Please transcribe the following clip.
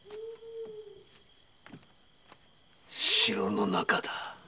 城の中だ。